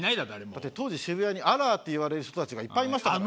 だって当時渋谷に「アラー」っていわれる人たちがいっぱいいましたからね。